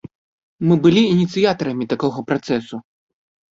Мы былі ініцыятарамі такога працэсу.